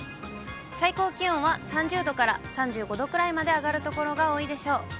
最高気温は３０度から３５度くらいまで上がる所が多いでしょう。